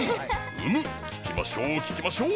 うむっ聞きましょう聞きましょう！